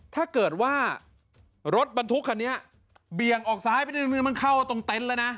ถ้าเกิดว่ารถมันทุกธรรมนี้เบี้ยงออกซ้ายไปเทิงมันเข้าตรงเต็นต์และนะ